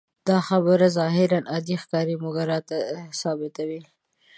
دا خبره ظاهراً عادي ښکاري، مګر راته ثابتوي.